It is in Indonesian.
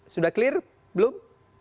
sudah clear belum